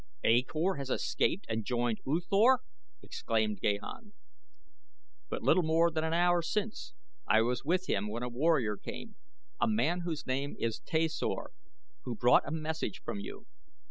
"A Kor has escaped and joined U Thor!" exclaimed Gahan. "But little more than an hour since. I was with him when a warrior came a man whose name is Tasor who brought a message from you.